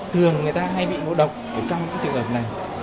thường người ta hay bị mồ độc ở trong trường hợp này